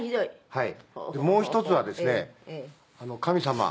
「はい」